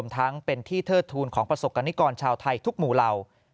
ตอนนี้ก่อนชาวไทยทุกหมู่เหล่า